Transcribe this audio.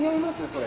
それ。